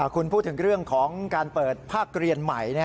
คุณพูดถึงเรื่องของการเปิดภาคเรียนใหม่